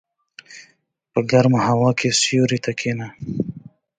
په ګرمه هوا کې سیوري ته کېنه.